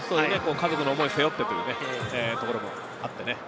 家族の思いを背負ってということもあって。